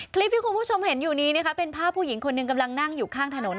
คลิปที่คุณผู้ชมเห็นอยู่นี้นะคะเป็นภาพผู้หญิงคนหนึ่งกำลังนั่งอยู่ข้างถนน